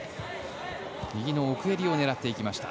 右の奥襟を狙っていきました。